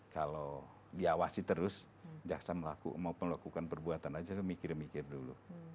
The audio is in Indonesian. kalau diawasi terus jaksa mau melakukan perbuatan aja mikir mikir dulu